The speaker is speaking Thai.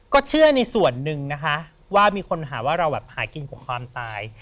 ก็เชื่อในส่วนหนึ่งนะคะว่ามีคนหาว่าเราแบบหากินกว่าความตาย